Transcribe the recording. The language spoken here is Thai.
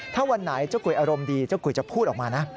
ถ้าวันไหนเจ้ากุยอารมณ์ดีเจ้ากุยจะพูดออกมานะ